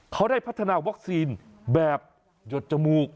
เขาได้พัฒนาวัคซีนแบบหยดจมูก